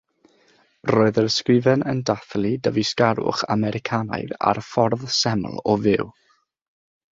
Roedd yr ysgrifen yn dathlu dyfeisgarwch Americanaidd a'r ffordd seml o fyw.